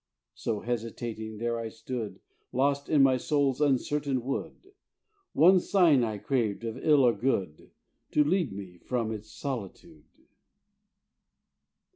So, hesitating, there I stood Lost in my soul's uncertain wood: One sign I craved of ill or good, To lead me from its solitude.